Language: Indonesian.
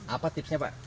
apa tipsnya pak